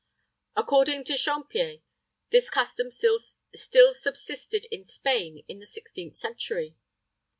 According to Champier, this custom still subsisted in Spain in the 16th century.